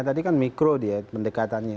tadi kan mikro dia pendekatannya